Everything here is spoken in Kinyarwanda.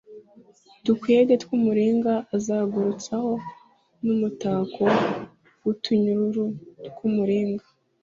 dukwege tw umuringa azengurutsaho n umutako w utunyururu tw umuringa